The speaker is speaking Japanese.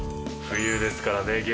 冬ですからね